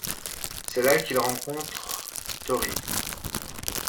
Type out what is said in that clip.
C'est là qu'ils rencontrent Tori.